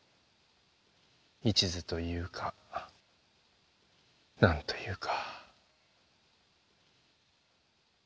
一途というか何というか。